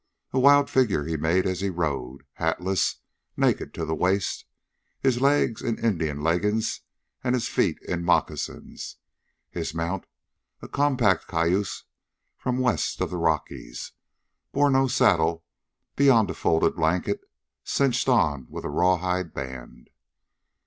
A wild figure he made as he rode, hatless, naked to the waist, his legs in Indian leggings and his feet in moccasins. His mount, a compact cayuse from west of the Rockies, bore no saddle beyond a folded blanket cinched on with a rawhide band.